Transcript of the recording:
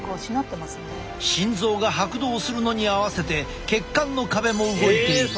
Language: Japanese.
心臓が拍動するのに合わせて血管の壁も動いている。